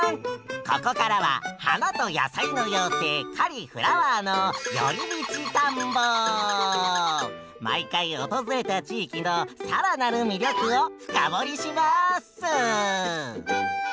ここからは花と野菜の妖精カリ・フラワーの毎回訪れた地域の更なる魅力を深掘りします！